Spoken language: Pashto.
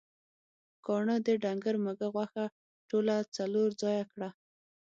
کاڼهٔ د ډنګر مږهٔ غوښه ټوله څلور ځایه کړه.